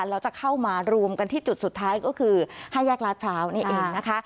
แล้วจะเข้ามารวมกันที่จุดสุดท้ายก็คือ๕แยกลาดพร้าวนี่เองนะคะ